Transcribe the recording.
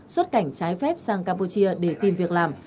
xuất cảnh trái phép sang campuchia để tìm việc làm